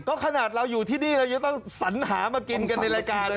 ก็ขนาดเราอยู่ที่นี่อะไรยังต้องศรันฐามากินกันในรายการ